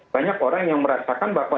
banyak orang yang merasakan bahwa